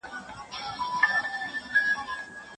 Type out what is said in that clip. زه چي ګورمه موږ هم یو ځان وهلي